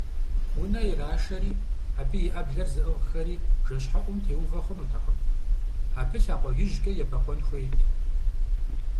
Унэ ирашэри, абы и Ӏэблэр зыӀыгъхэри бжэщхьэӀум теувэ хъунутэкъым, абы лъакъуэ ижькӀэ ебэкъуэн хуейт.